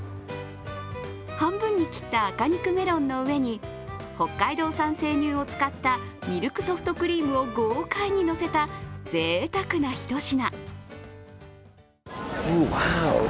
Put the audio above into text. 半分に切った赤肉メロンの上に北海道産生乳を使ったミルクソフトクリームを豪快に乗せた、ぜいたくなひと品。